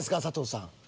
佐藤さん。